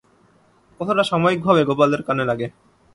কথাটা সাময়িকভাবে গোপালের কানে লাগে।